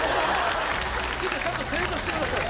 哲ちゃんちゃんと正座してください。